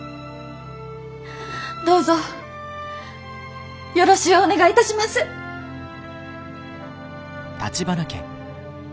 どうぞよろしゅうお願いいたします。